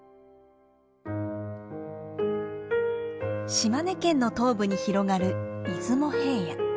島根県の東部に広がる出雲平野。